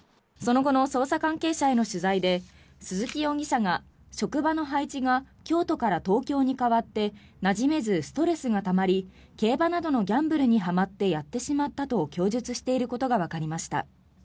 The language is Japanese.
その後の捜査関係者への取材で鈴木容疑者が職場の配置が京都から東京に変わってなじめず、ストレスがたまり競馬などのギャンブルにはまってやってしまったと供述していることがわかりました。